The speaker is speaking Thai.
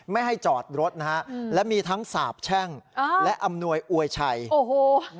ไม่ให้จอดรถนะฮะและมีทั้งสาบแช่งอ่าและอำนวยอวยชัยโอ้โห